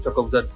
cho công dân